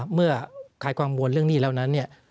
เมื่อขายความกังวลเรื่องนี้แล้วนั้นเนี่ย